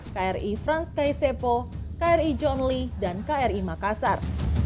kri frans kay sepo kri john lee dan kri makassar